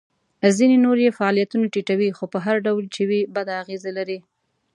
ځینې نور یې فعالیتونه ټیټوي خو په هر ډول چې وي بده اغیزه لري.